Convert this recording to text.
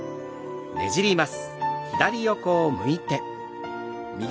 ねじります。